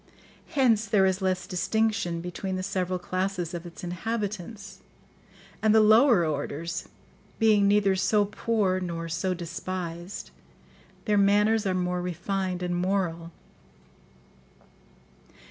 Hence there is less distinction between the several classes of its inhabitants; and the lower orders, being neither so poor nor so despised, their manners are more refined and moral.